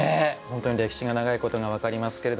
本当に歴史が長いことが分かりますけれども。